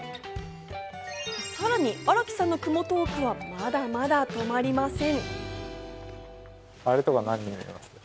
さらに荒木さんの雲トークはまだまだ止まりません。